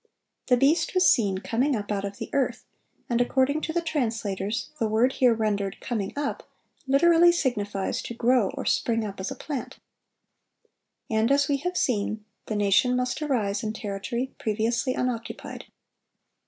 The beast was seen "coming up out of the earth;" and according to the translators, the word here rendered "coming up" literally signifies "to grow or spring up as a plant." And, as we have seen, the nation must arise in territory previously unoccupied.